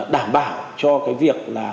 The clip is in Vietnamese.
đảm bảo cho cái việc